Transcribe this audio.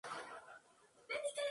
Incluso vivió varios años en España.